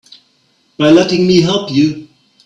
By letting me help you.